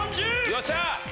よっしゃ！